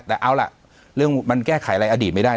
แต่เอาล่ะเรื่องมันแก้ไขอะไรอดีตไม่ได้